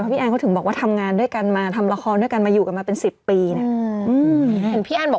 พี่แอนเขาถึงบอกว่าทำงานด้วยกันมาทำละครด้วยกันมาอยู่กันมาเป็น๑๐ปีเนี่ย